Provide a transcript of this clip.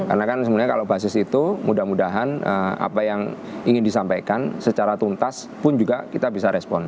karena kan sebenarnya kalau basis itu mudah mudahan apa yang ingin disampaikan secara tuntas pun juga kita bisa respon